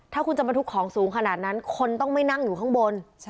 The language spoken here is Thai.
ถ้าคุณจะมาทุกของสูงขนาดนั้นคนต้องไม่นั่งอยู่ข้างบน